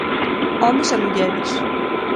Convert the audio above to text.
Homes e mulleres.